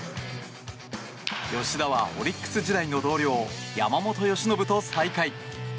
吉田はオリックス時代の同僚山本由伸と再会。